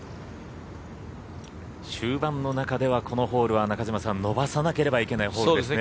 終盤の中ではこのホールは中嶋さん伸ばさなければいけないホールですね。